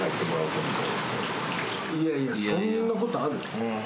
いやいやそんなことある？